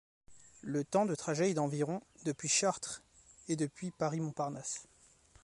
Le temps de trajet est d'environ depuis Chartres et depuis Paris-Montparnasse.